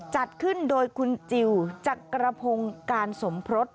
จัดขึ้นโดยคุณจิลจักรพงศ์การสมพศ